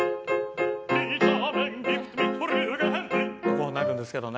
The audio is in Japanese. こうなるんですけどね。